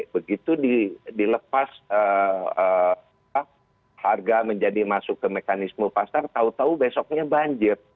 begitu dilepas harga menjadi masuk ke mekanisme pasar tahu tahu besoknya banjir